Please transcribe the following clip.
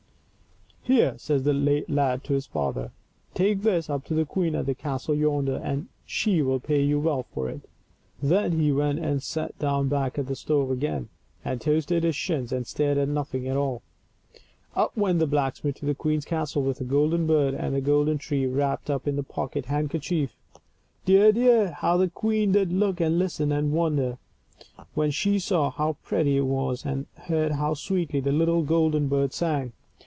" Here," says the lad to his father, " take this up to the queen at the castle yonder, and she will pay you well for it." Then he went and sat down back of the stove again, and toasted his shins and stared at nothing at all. Up went the blacksmith to the queen's castle with the golden bird and the golden tree wrapped up in his pocket handkerchief. Dear, dear, how the queen did look and listen and wonder, when she saw how pretty it was, and heard how sweetly the little golden bird sang.